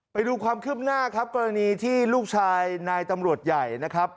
ไปดูความคืบหน้าครับกรณีที่ลูกชายนายตำรวจใหญ่นะครับ